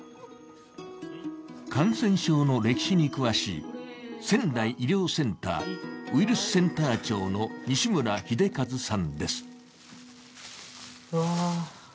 感染症の歴史に詳しい、仙台医療センター・ウイルスセンター長の西村秀一さんです。